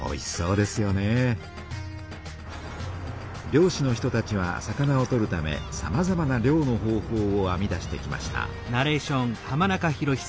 漁師の人たちは魚を取るためさまざまな漁の方法をあみ出してきました。